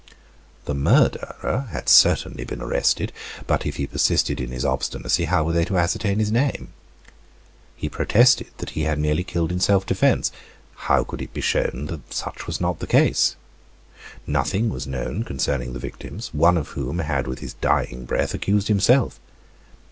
The murderer had certainly been arrested; but if he persisted in his obstinacy, how were they to ascertain his name? He protested that he had merely killed in self defense. How could it be shown that such was not the case? Nothing was known concerning the victims; one of whom had with his dying breath accused himself.